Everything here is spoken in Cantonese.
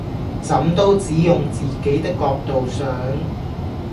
怎都只用自己的角度想！